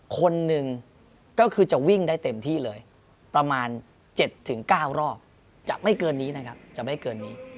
คนหนึ่งก็คือจะวิ่งได้เต็มที่เลยประมาณ๗๙รอบจะไม่เกินนี้นะครับจะไม่เกินนี้